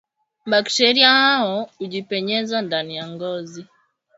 Bakteria hao hujipenyeza ndani ya ngozi